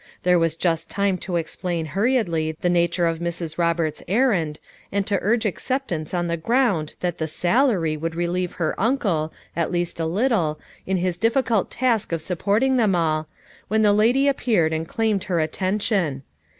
There was just time to explain hurriedly the na ture of Mrs. Roberts's errand, and to urge acceptance on the ground that the "salary" would relieve her uncle, at least a little, in his difficult task of supporting them all, when the lady appeared and claimed her attention.